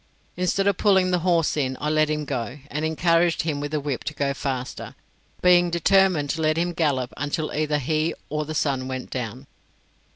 Instead of pulling the horse in, I let him go, and encouraged him with the whip to go faster, being determined to let him gallop until either he or the sun went down.